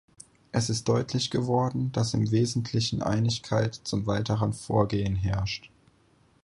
Es ist deutlich geworden, dass im Wesentlichen Einigkeit zum weiteren Vorgehen herrscht.